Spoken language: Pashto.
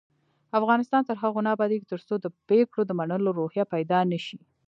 افغانستان تر هغو نه ابادیږي، ترڅو د پریکړو د منلو روحیه پیدا نشي.